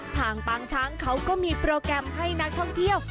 ปางช้างเขาก็มีโปรแกรมให้นักท่องเที่ยว